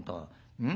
うん？